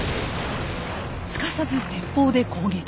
すかさず鉄砲で攻撃。